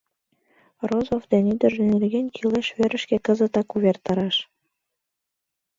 Розов ден ӱдыржӧ нерген кӱлеш верышке кызытак увертараш!